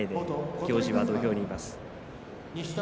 行司は土俵にいます。